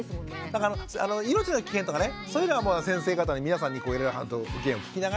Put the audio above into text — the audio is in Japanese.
だから命の危険とかねそういうのは先生方の皆さんにいろいろ意見を聞きながら。